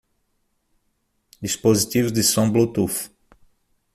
Dispositivos de som Bluetooth.